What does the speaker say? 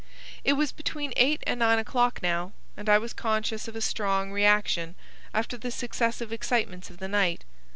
It was between eight and nine o'clock now, and I was conscious of a strong reaction after the successive excitements of the night.